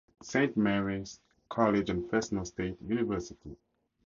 Saint Mary's College and Fresno State University.